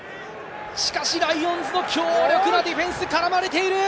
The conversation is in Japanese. しかしライオンズの強力なディフェンス、絡まれている。